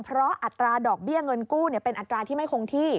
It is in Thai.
เพราะอัตราดอกเบี้ยเงินกู้เป็นอัตราที่ไม่คงที่